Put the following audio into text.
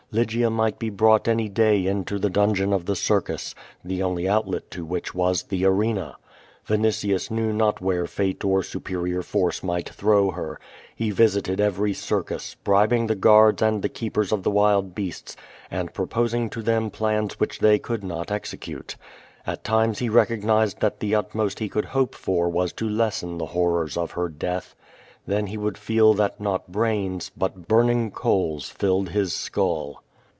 Lygia might be brought any day into the dungeon of the circus, the only outlet to which was the arena. Vinitius knew not where fate or superior force might throw her. He visited e\ery circus, bribing the guards and the keepers of the wild beasts, and pi'oiK)sing to them plans which they could not execute. At times he recognized that the utmost he cculd hope for was to lessen the horrors of her death. Then he would feel that not brains, but burning coals, filled his skull.